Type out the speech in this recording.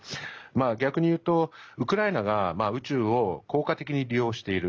逆に言うと、ウクライナが宇宙を効果的に利用している。